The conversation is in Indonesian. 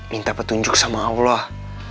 minta petunjuk sama allah